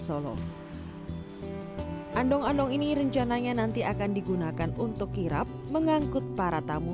solo andong andong ini rencananya nanti akan digunakan untuk kirap mengangkut para tamu